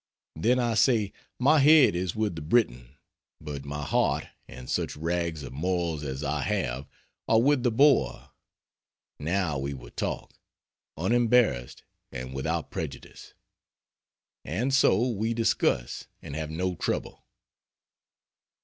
Then I say "My head is with the Briton, but my heart and such rags of morals as I have are with the Boer now we will talk, unembarrassed and without prejudice." And so we discuss, and have no trouble.